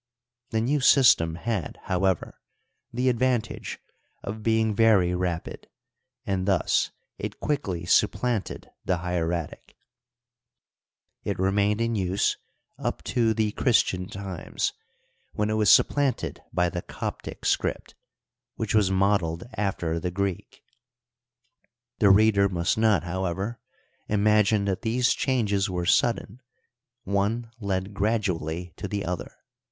The new system had, however, the advantage of being very rapid, and thus it quickly supplanted the hieratic ; it remained in use up to the Christian times, when it was supplanted by the Coptic script, which was modeled after Digitized byCjOOQlC i6 HISTORY OF EGYPT. the Greek. The reader must not, however, imagine that these changes were sudden ;• one led gradually to the other.